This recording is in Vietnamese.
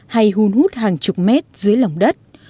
hay hunh hút hàng chục mét dưới lòng đất